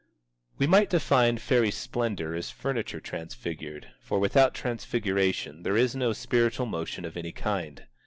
We might define Fairy Splendor as furniture transfigured, for without transfiguration there is no spiritual motion of any kind.